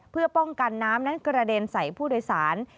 เพื่อป้องกันน้ำนั้นกระเด็นใส่ผู้โดยสาร